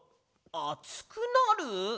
あつくなる？